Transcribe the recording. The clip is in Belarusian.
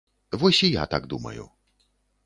Вось і я так думаю.